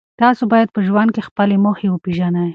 تاسو باید په ژوند کې خپلې موخې وپېژنئ.